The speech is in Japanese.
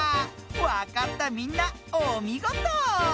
わかったみんなおみごと。